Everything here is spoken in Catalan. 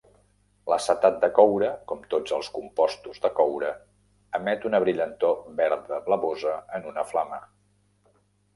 L'acetat de coure, com tots els compostos de coure, emet una brillantor verda blavosa en una flama.